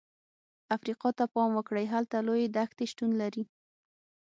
افریقا ته پام وکړئ، هلته لویې دښتې شتون لري.